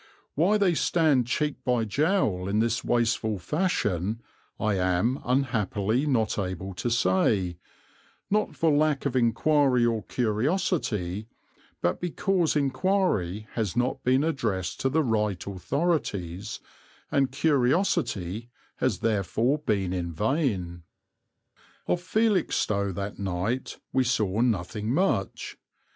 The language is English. Why they stand cheek by jowl in this wasteful fashion I am unhappily not able to say, not for lack of inquiry or curiosity, but because inquiry has not been addressed to the right authorities and curiosity has therefore been vain. Of Felixstowe that night we saw nothing much.